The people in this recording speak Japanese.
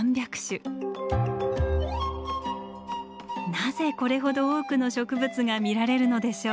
なぜこれほど多くの植物が見られるのでしょう？